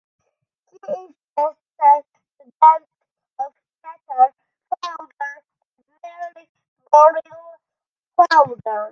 He is descendant of Peter Foulger and Mary "Morrill" Foulger.